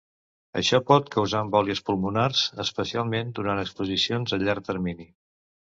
Això pot causar embòlies pulmonars, especialment durant exposicions a llarg termini.